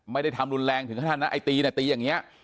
ไม่ได้ทำรุนแรงถึงขนาดไอ้ตีนะตีอย่างเงี้ย